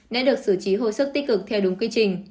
đã được xử trí hồi sức tích cực theo đúng quy trình